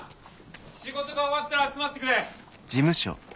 仕事が終わったら集まってくれ。